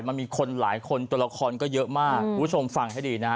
มันมีคนหลายคนตัวละครก็เยอะมากคุณผู้ชมฟังให้ดีนะฮะ